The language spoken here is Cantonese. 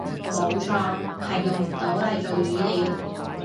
冇錯，係用唔到嚟做語料